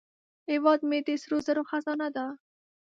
هیواد مې د سرو زرو خزانه ده